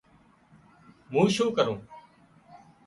مون شُون ڪرون